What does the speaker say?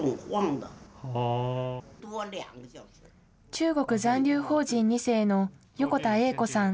中国残留邦人２世の横田永子さん